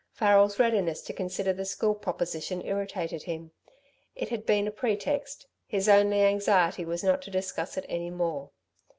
Farrel's readiness to consider the school proposition irritated him. It had been a pretext; his only anxiety was not to discuss it any more.